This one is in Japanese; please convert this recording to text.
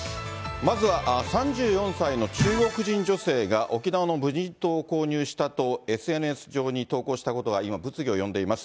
まずは３４歳の中国人女性が沖縄の無人島を購入したとＳＮＳ上に投稿したことが今、物議を呼んでいます。